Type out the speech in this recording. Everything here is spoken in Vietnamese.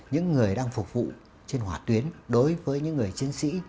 những người đang phục vụ trên hòa tuyến đối với những người chiến sĩ